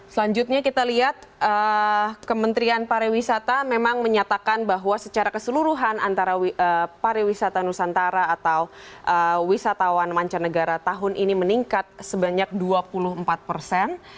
selanjutnya kita lihat kementerian pariwisata memang menyatakan bahwa secara keseluruhan antara pariwisata nusantara atau wisatawan mancanegara tahun ini meningkat sebanyak dua puluh empat persen